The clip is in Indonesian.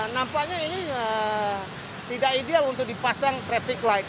nampaknya ini tidak ideal untuk dipasang traffic light